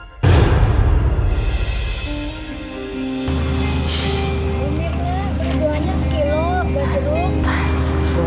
mirna berdoanya sekilo enggak jeruk